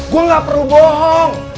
gue gak perlu bohong